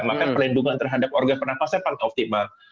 maka perlindungan terhadap organ penafasnya pantau optimal